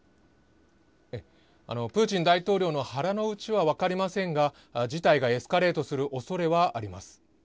プーチン大統領の腹の内は分かりませんが、事態がエスカレートするおそれはあります。